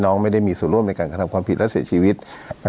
ไม่ได้มีส่วนร่วมในการกระทำความผิดและเสียชีวิต